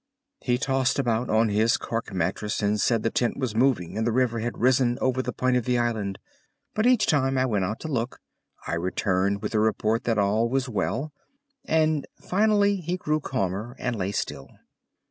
He tossed about on his cork mattress, and said the tent was moving and the river had risen over the point of the island, but each time I went out to look I returned with the report that all was well, and finally he grew calmer and lay still.